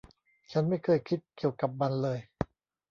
ฉันไม่เคยคิดเกี่ยวกับมันเลย